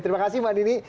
terima kasih mbak nini